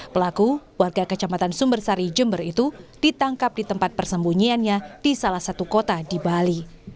pelaku warga kecamatan sumbersari jember itu ditangkap di tempat persembunyiannya di salah satu kota di bali